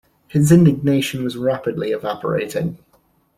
His indignation was rapidly evaporating.